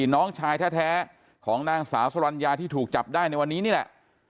น้องชายแท้ของนางสาวสรรญาที่ถูกจับได้ในวันนี้นี่แหละ